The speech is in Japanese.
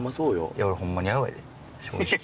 いや俺ホンマにやばいで正直。